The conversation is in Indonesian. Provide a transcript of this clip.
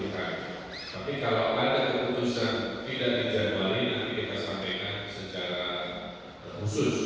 tapi kalau ada keputusan tidak dijadwalin nanti kita sampaikan secara khusus